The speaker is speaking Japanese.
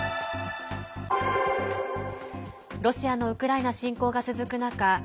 ロシアのウクライナ侵攻が続く中